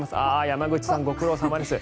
山口さん、ご苦労様です。